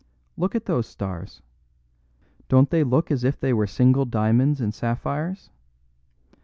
Look at those stars. Don't they look as if they were single diamonds and sapphires?